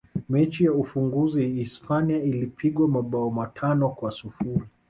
mechi za ufunguzi hispania ilipigwa mabao matano kwa sifuri